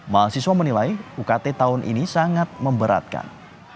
mahasiswa menilai ukt tahun ini sangat memberatkan